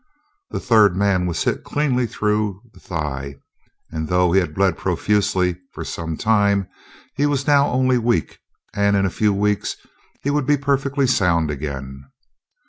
The third man was hit cleanly through the thigh, and, though he had bled profusely for some time, he was now only weak, and in a few weeks he would be perfectly sound again.